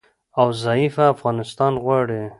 او ضعیفه افغانستان غواړي